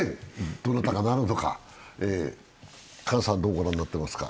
どなたがなるのか、姜さんどう御覧になっていますか？